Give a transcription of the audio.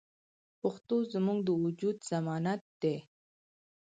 پښتو زموږ د وجود ضمانت دی.